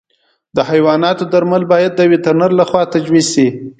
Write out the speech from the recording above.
د حیواناتو درمل باید د وترنر له خوا تجویز شي.